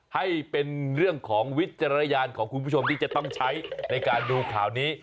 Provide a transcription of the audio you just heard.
ให้เป็นเรื่องของวิจารณญาณของคุณผู้ชมที่จะต้องใช้ในการดูข่าวนี้